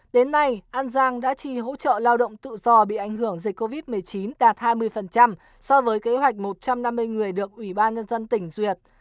đến nay an giang đã trì hỗ trợ lao động tự do bị ảnh hưởng dịch covid một mươi chín đạt hai mươi so với kế hoạch một trăm năm mươi người được ủy ban nhân dân tỉnh duyệt